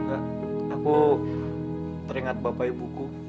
aku teringat bapak ibuku